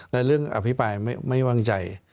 และเรื่องอภิปรายไม่วางใจ